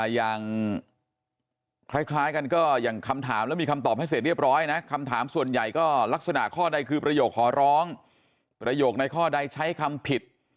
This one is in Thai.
อย่างคล้ายกันก็อย่างคำถามแล้วมีคำตอบให้เสร็จเรียบร้อยนะคำถามส่วนใหญ่ก็ลักษณะข้อใดคือประโยคขอร้องประโยคในข้อใดใช้คำผิด